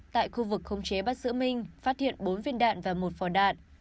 tại khu vực khống chế bắt giữ mình phát hiện bốn viên đạn và một phò đạn